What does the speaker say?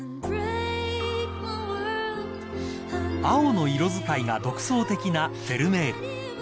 ［青の色使いが独創的なフェルメール］